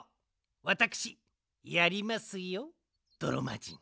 わたくしやりますよどろまじん。